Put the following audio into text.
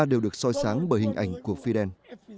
đều được soi sáng bởi hình ảnh của fidel